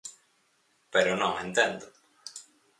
Pero non entendo.